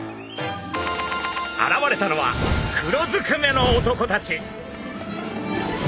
現れたのは黒ずくめの男たち。